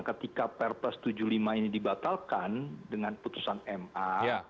ketika perpres tujuh puluh lima ini dibatalkan dengan putusan ma